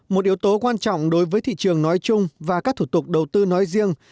một yếu tố quan trọng đối với thị trường nói chung và các thủ tục đầu tư nói riêng